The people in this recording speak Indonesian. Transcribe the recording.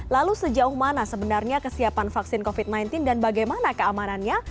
lalu sejauh mana sebenarnya kesiapan vaksin covid sembilan belas dan bagaimana keamanannya